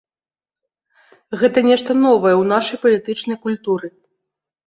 Гэта нешта новае ў нашай палітычнай культуры.